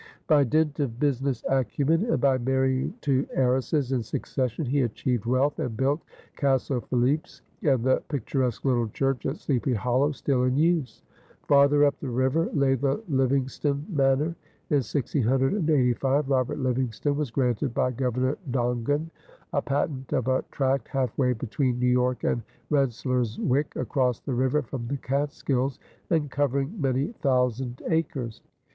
By dint of business acumen and by marrying two heiresses in succession he achieved wealth, and built "Castle Philipse" and the picturesque little church at Sleepy Hollow, still in use. Farther up the river lay the Livingston Manor. In 1685 Robert Livingston was granted by Governor Dongan a patent of a tract half way between New York and Rensselaerswyck, across the river from the Catskills and covering many thousand acres.